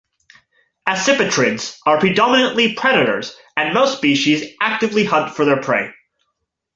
Accipitrids are predominantly predators and most species actively hunt for their prey.